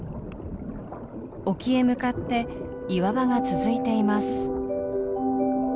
沖へ向かって岩場が続いています。